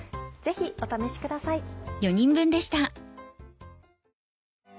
ぜひお試しください。